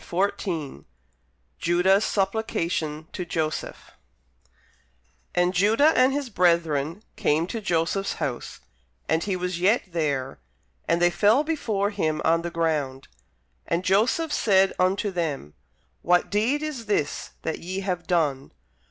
Tennyson JUDAH'S SUPPLICATION TO JOSEPH And Judah and his brethren came to Joseph's house; and he was yet there: and they fell before him on the ground. And Joseph said unto them, What deed is this that ye have done?